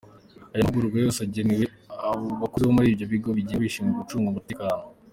Ayo mahugurwa yose agenewe abo bakozi bo muri ibyo bigo byigenga bishinzwe gucunga umutekano.